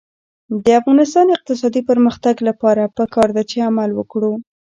د افغانستان د اقتصادي پرمختګ لپاره پکار ده چې عمل وکړو.